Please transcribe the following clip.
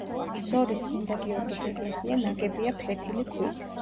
სორის წმინდა გიორგის ეკლესია ნაგებია ფლეთილი ქვით.